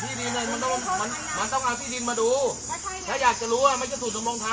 พี่ดีมันต้องเอาพี่ดีมมาดูถ้าอยากจะรู้ว่าไม่ใช่ศูนย์ดำรงทำ